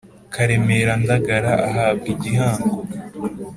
karemera ndagara ahabwa igihango